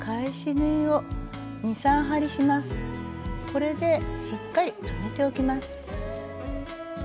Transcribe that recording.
これでしっかり留めておきます。